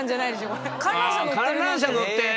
観覧車乗ってる。